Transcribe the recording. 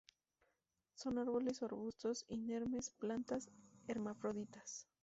Son árboles o arbustos, inermes; plantas hermafroditas.